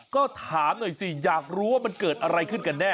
ก็ถามหน่อยสิอยากรู้ว่ามันเกิดอะไรขึ้นกันแน่